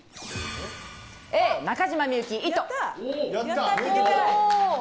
Ａ、中島みゆき、糸。